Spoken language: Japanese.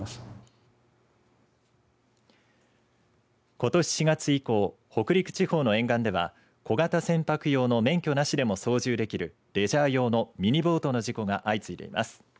ことし４月以降北陸地方の沿岸では小型船舶用の免許なしでも操縦できるレジャー用のミニボートの事故が相次いでいます。